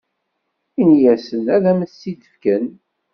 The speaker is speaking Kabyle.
Ini-asen ad am-tt-id-fken.